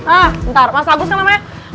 hah bentar mas agus kan namanya